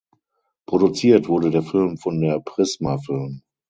Produziert wurde der Film von der "Prisma Film".